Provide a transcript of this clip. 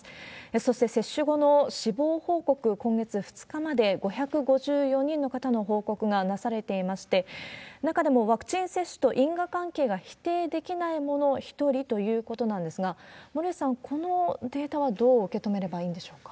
そして、接種後の死亡報告、今月２日まで５５４人の方の報告がなされていまして、中でもワクチン接種と因果関係が否定できないもの１人ということなんですが、森内さん、このデータはどう受け止めればいいんでしょうか？